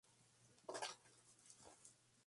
Velázquez Primo, Feliciano.